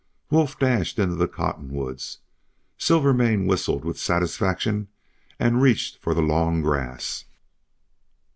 Wolf dashed into the cottonwoods. Silvermane whistled with satisfaction and reached for the long grass.